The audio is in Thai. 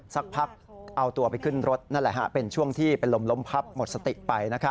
สักพับเอาตัวไปขึ้นรถเป็นช่วงที่ไปล้มพับหมดสติไป